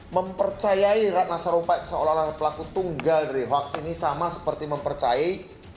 mempercayai ratna sarumpait seolah olah pelaku tunggal dari hoaks ini sama seperti mempercayai